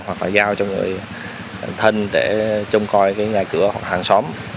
hoặc là giao cho người thân để trông coi cái nhà cửa hoặc hàng xóm